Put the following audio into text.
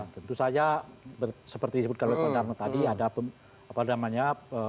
tentu saja seperti disebutkan oleh pak darno tadi ada apa namanya